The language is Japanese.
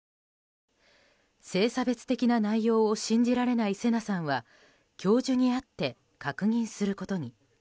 性差別的な内容を信じられない聖奈さんは教授に会って確認することに。